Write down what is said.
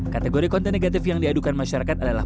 kategori konten negatif yang diadukan masyarakat adalah